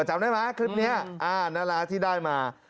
จำได้ไหมคลิปนี้นาราที่ได้มา